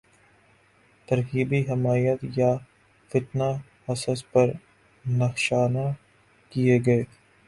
ترغیبی حمایتیافتہ حصص پر نشانہ کیے گئے